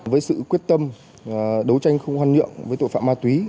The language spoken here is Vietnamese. với sự quyết tâm đấu tranh không hoan nhượng với tội phạm ma túy